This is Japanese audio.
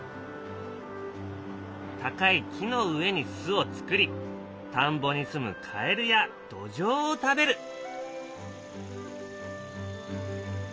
高い木の上に巣を作り田んぼにすむカエルやドジョウを食べる。